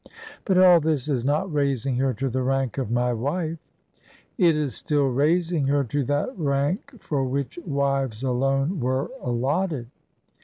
"But all this is not raising her to the rank of my wife." "It is still raising her to that rank for which wives alone were allotted."